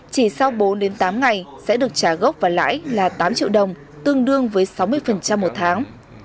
chỉ sau bốn đến tám ngày sẽ được trả gốc và lãi là tám triệu đồng tương đương với sáu mươi một tháng